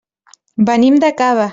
Venim de Cava.